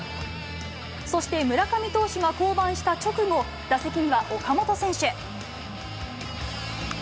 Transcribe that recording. そして村上投手が降板した直後、打席には岡本選手。